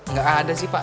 nggak ada sih pak